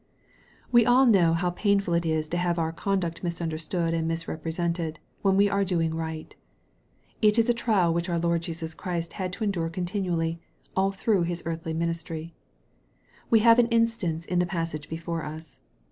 WE all know how painful it is to have our conduct misunderstood and misrepresented, when we are do ing right. It is a trial which our Lord Jesus Christ had to endure continually, all through His earthly ministry. We have an instance in the passage before us.